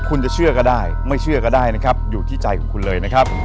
คุณจะเชื่อก็ได้ไม่เชื่อก็ได้นะครับอยู่ที่ใจของคุณเลยนะครับ